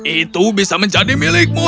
itu bisa menjadi milikmu